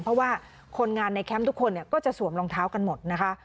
เพราะว่าคนงานในแคมป์ทุกคนก็จะสวมรองเท้ากันหมดนะคะ